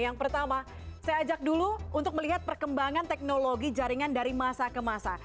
yang pertama saya ajak dulu untuk melihat perkembangan teknologi jaringan dari masa ke masa